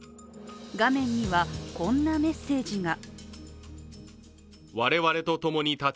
画面には、こんなメッセージが。